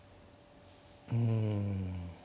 うん。